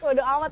cuek udah amat